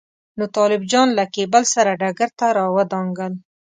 نو طالب جان له کېبل سره ډګر ته راودانګل.